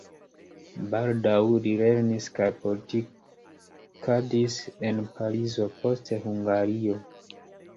Baldaŭ li lernis kaj politikadis en Parizo, poste en Hungario.